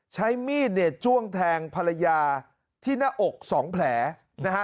ใช้มีดเนี่ยจ้วงแทงภรรยาที่หน้าอกสองแผลนะฮะ